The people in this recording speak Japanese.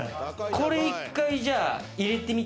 これ一回じゃあ。